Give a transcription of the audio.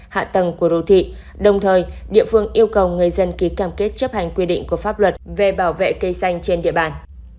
hạ tầng của đô thị đồng thời địa phương yêu cầu người dân ký cam kết chấp hành quy định của pháp luật về bảo vệ cây xanh trên địa bàn